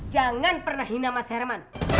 jangan pernah hina mas herman